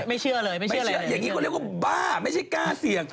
ไม่เชื่ออย่างนี้ก็เรียกกว่าบ้าไม่ใช่ก้าเสียง